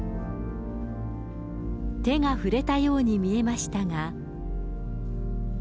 手が触れたように見えましたが。